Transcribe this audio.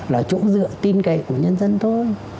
là chỗ dựa tin cậy của nhân dân thôi